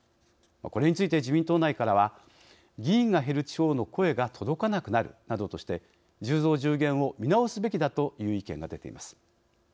これについて自民党内からは議員が減る地方の声が届かなくなるなどとして１０増１０減を見直すべきだという意見が出ています。